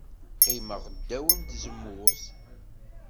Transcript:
Qqimeɣ ddaw n tzemmurt.